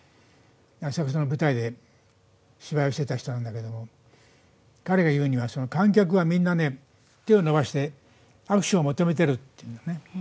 浅草の舞台で芝居をしてた人なんだけど彼が言うには観客はみんなね、手を伸ばして握手を求めてるっていうんだよね。